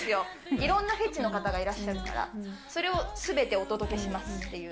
いろんなフェチの方がいらっしゃるから、それをすべてお届けしますっていう。